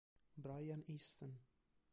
Brian Easton